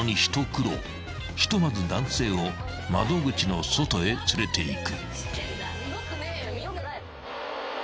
［ひとまず男性を窓口の外へ連れていく］